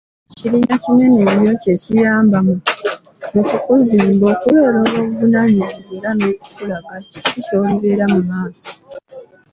Kirina kinene nnyo kye kiyamba mu kukuzimba okubeera ow'obuvunaanyizibwa era n'okukulaga kiki ky'olibeera mu maaso.